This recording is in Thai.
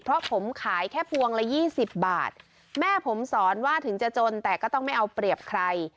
เพราะผมขายแค่พวงละยี่สิบบาทแม่ผมสอนว่าถึงจะจนแต่ก็ต้องไม่เอาเปรียบใคร